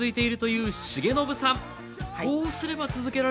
はい。